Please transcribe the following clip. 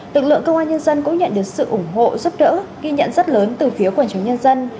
lực lượng công an nhân dân cũng nhận được sự ủng hộ giúp đỡ ghi nhận rất lớn từ phía quần chúng nhân dân